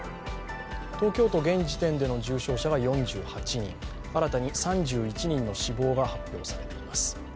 東京都、現時点での重症者が４８人、新たに３１人の死亡が発表されています。